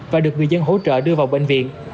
và được người dân hỗ trợ đưa vào bệnh viện